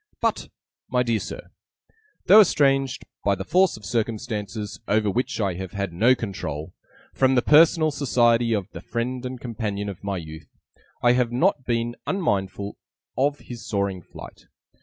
'But, my dear Sir, though estranged (by the force of circumstances over which I have had no control) from the personal society of the friend and companion of my youth, I have not been unmindful of his soaring flight.